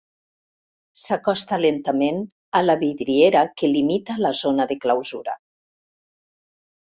S'acosta lentament a la vidriera que limita la zona de clausura.